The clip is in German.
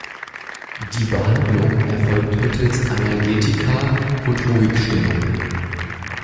Die Behandlung erfolgt mittels Analgetika und Ruhigstellung.